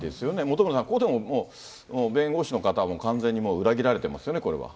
本村さん、ここでも弁護士の方はもう、完全に裏切られてますよね、これは。